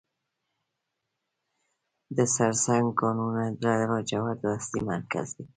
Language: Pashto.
د سرسنګ کانونه د لاجوردو اصلي مرکز دی.